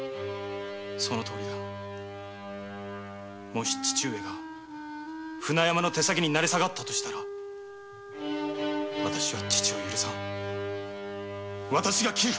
そのとおりだもし父上が船山の手先になり下がったとしたら私は父上を許さぬ私が切る！